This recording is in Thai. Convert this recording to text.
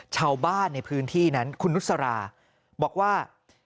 ชาวบ้านในพื้นที่นั้นคุณนุษราบอกว่า